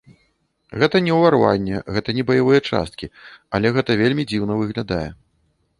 Гэта не ўварванне, гэта не баявыя часткі, але гэта вельмі дзіўна выглядае.